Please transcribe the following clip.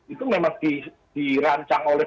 itu memang dirancang oleh